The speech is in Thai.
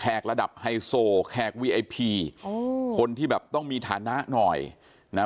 กระดับไฮโซแขกวีไอพีอืมคนที่แบบต้องมีฐานะหน่อยนะ